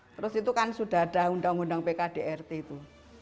terus itu kan sudah ada undang undang pkdrt itu